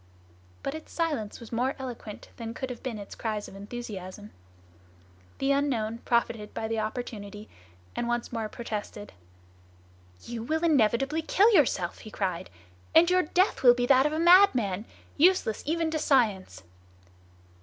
But its silence was more eloquent than could have been its cries of enthusiasm. The unknown profited by the opportunity and once more protested: "You will inevitably kill yourself!" he cried; "and your death will be that of a madman, useless even to science!"